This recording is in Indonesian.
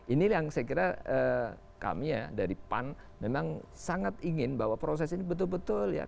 ini yang saya kira kami ya dari pan memang sangat ingin bahwa proses ini betul betul ya